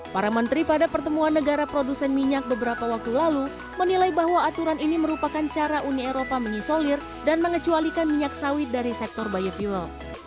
para menteri pada pertemuan negara produsen minyak beberapa waktu lalu menilai bahwa aturan ini merupakan cara uni eropa mengisolir dan mengecualikan minyak sawit dari sektor biofuel